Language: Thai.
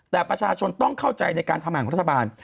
แต่ประชาชนต้องเข้าใจในการทำงานของรัฐบาล